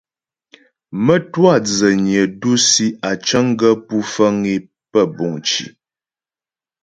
Mə́twâ dzənyə dǔsi á cəŋ gaə́ pú fəŋ é pə́ buŋ cì.